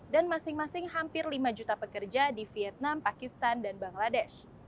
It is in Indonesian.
dan masing masing hampir lima juta pekerja di vietnam pakistan dan bangladesh